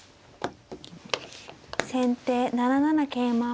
先手７七桂馬。